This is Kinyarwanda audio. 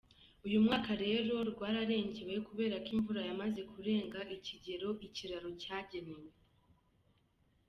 Uyu mwaka rero rwararengewe kubera ko imvura yamaze kurenga ikigero ikiraro cyagenewe.